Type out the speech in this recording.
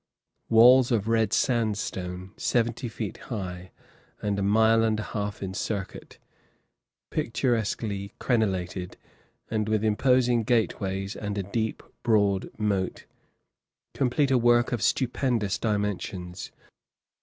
Walls of red sandstone, seventy feet high, and a mile and a half in circuit, picturesquely crenellated, and with imposing gateways and a deep, broad moat, Complete a work of stupendous dimensions.